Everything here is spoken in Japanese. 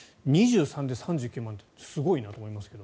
２３歳で３９万ってすごいなと思いますが。